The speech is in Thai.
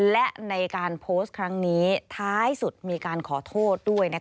และในการโพสต์ครั้งนี้ท้ายสุดมีการขอโทษด้วย